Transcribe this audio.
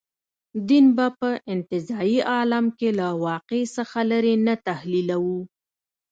دین به په انتزاعي عالم کې له واقع څخه لرې نه تحلیلوو.